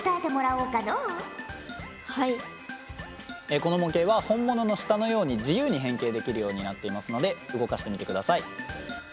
この模型は本物の舌のように自由に変形できるようになっていますので動かしてみてください。